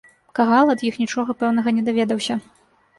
Кагал ад іх нічога пэўнага не даведаўся.